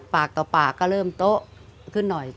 ปากต่อปากก็เริ่มโต๊ะขึ้นหน่อย